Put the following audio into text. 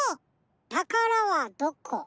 「たからはどこ」。